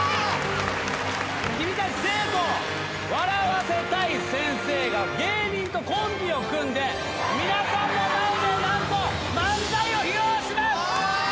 君たち生徒を笑わせたい先生が芸人とコンビを組んで皆さんの前で何と漫才を披露します！